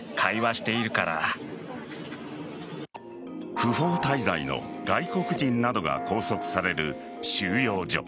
不法滞在の外国人などが拘束される収容所。